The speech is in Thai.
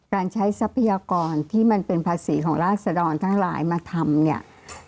การใช้ทรัพยากรที่มันเป็นภาษีของราศดรทั้งหลายมาทำเนี่ย